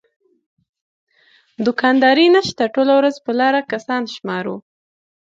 دوکانداري نشته ټوله ورځ په لاره کسان شمارو.